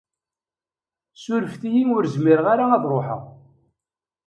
Suref-iyi ur zmireɣ ara ad ruḥeɣ.